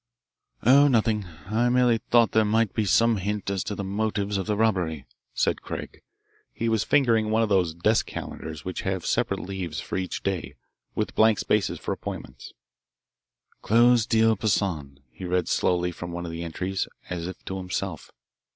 "Oh, nothing. I merely thought there might be some hint as to the motives of the robbery," said Craig. He was fingering one of those desk calendars which have separate leaves for each day with blank spaces for appointments. "'Close deal Poissan,'" he read slowly from one of the entries, as if to himself.